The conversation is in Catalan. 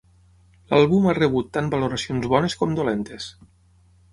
L'àlbum ha rebut tant valoracions bones com dolentes.